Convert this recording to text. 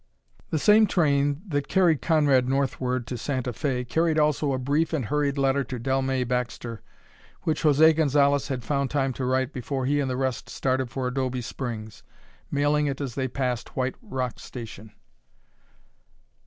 The same train that carried Conrad northward to Santa Fe carried also a brief and hurried letter to Dellmey Baxter which José Gonzalez had found time to write before he and the rest started for Adobe Springs, mailing it as they passed White Rock station.